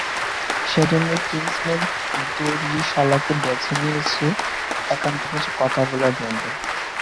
সেজন্যই কিংসম্যান দর্জিশালাকে বেছে নিয়েছি একান্তে কিছু কথা বলার জন্য।